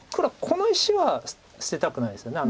この石は捨てたくないですよね。